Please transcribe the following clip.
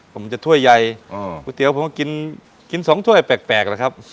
ผมจะถ้วยใยกุ้ยเตี๋ยวผมกิน๒ถ้วยแปลกเลยครับ